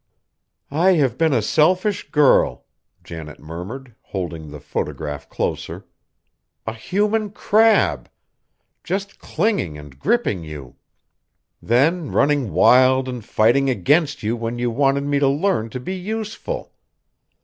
"I have been a selfish girl!" Janet murmured, holding the photograph closer, "a human crab; just clinging and gripping you. Then running wild and fighting against you when you wanted me to learn to be useful!